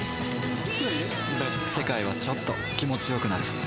世界はちょっと気持ちよくなる